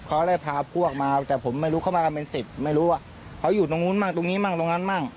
เขาเลยพาพวกมาแต่ผมไม่รู้เขามากันเป็นสิบไม่รู้ว่าเขาอยู่ตรงนู้นมั่งตรงนี้มั่งตรงนั้นมั่ง